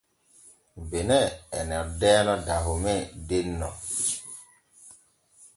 Benin e noddeeno Dahome denno.